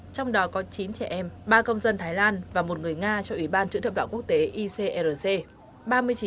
trong đó có chín trẻ em ba công dân thái lan và một người nga cho ủy ban chữ thập đạo quốc tế icrc